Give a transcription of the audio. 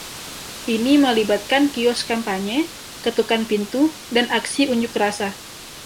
Ini melibatkan kios kampanye, ketukan pintu, dan aksi unjuk rasa.